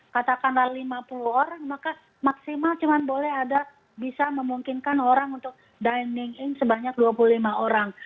katakanlah lima puluh orang maka maksimal cuma boleh ada bisa memungkinkan orang untuk dining in sebanyak dua puluh lima orang